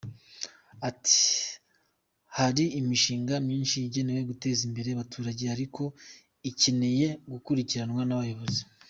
Ati “Hari imishinga myinshi igenewe guteza imbere abaturage ariko ikeneye gukurikiranwa n’abayobozi.